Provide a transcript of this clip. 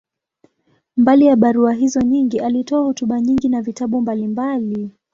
Mbali ya barua hizo nyingi, alitoa hotuba nyingi na vitabu mbalimbali.